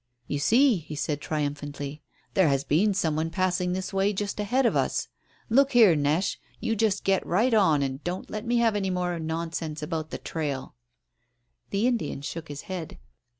"You see," he said triumphantly, "there has been some one passing this way just ahead of us. Look here, neche, you just get right on and don't let me have any more nonsense about the trail." The Indian shook his head.